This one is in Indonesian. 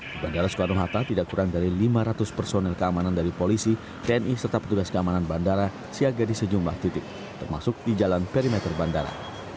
di bandara soekarno hatta tidak kurang dari lima ratus personel keamanan dari polisi tni serta petugas keamanan bandara siaga di sejumlah titik termasuk di jalan perimeter bandara